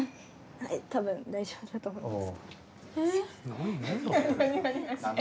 はい多分大丈夫だと思います。